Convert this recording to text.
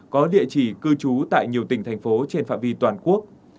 có địa chỉ cư trú tại nhiều tỉnh thành phố trên phạm vi toàn quốc